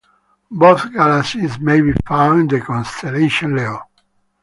Both galaxies may be found in the constellation Leo.